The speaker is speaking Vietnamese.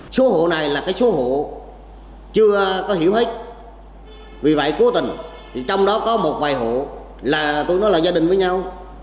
số hộ này là cái số hộ chưa có hiểu hết vì vậy cố tình thì trong đó có một vài hộ là tôi nói là gia đình với nhau